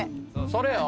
それよ。